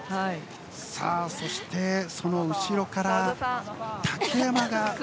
そしてその後ろから竹山が。